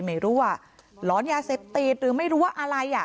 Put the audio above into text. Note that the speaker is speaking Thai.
ไม่รู้ว่าหลอนยาเสพติดหรือไม่รู้ว่าอะไรอ่ะ